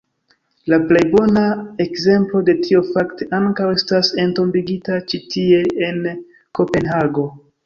La plej bona ekzemplo de tio fakte ankaŭ estas entombigita ĉi tie en Kopenhago.